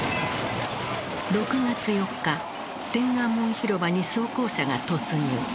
６月４日天安門広場に装甲車が突入。